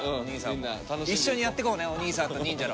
一緒にやっていこうねおにいさんと。